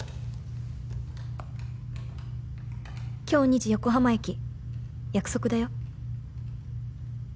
「今日２時横浜駅約束だよ」